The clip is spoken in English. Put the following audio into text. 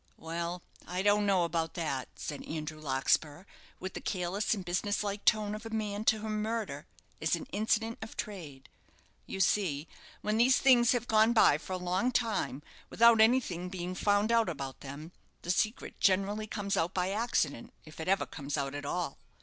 "Well, I don't know about that," said Andrew Larkspur, with the careless and business like tone of a man to whom a murder is an incident of trade. "You see, when these things have gone by for a long time, without anything being found out about them, the secret generally comes out by accident, if it ever comes out at all.